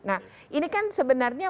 nah ini kan sebenarnya